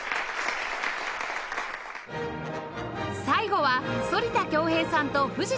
最後は反田恭平さんと藤田真央さん